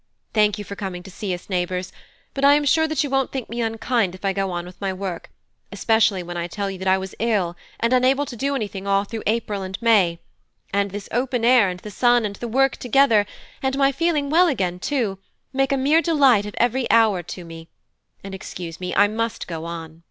"Thank you for coming to see us, neighbours; but I am sure that you won't think me unkind if I go on with my work, especially when I tell you that I was ill and unable to do anything all through April and May; and this open air and the sun and the work together, and my feeling well again too, make a mere delight of every hour to me; and excuse me, I must go on."